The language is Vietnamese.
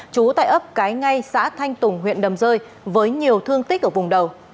trú tại ấp cái ngay xã thanh tùng huyện đầm rơi với nhiều thương tích ở vùng đầu